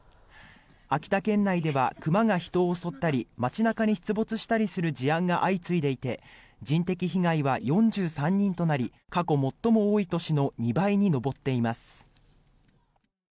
秋田県内では熊が人を襲ったり街中に出没したりする事案が相次いでいて人的被害は４３人となり過去最も多い年の２倍に上っています。